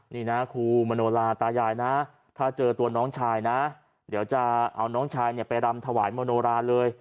นี่นะครูมโนลาตายายนะถ้าเจอตัวน้องชายนะเดี๋ยวจะเอาน้องชายเนี่ยไปรำถวายมโนราเลย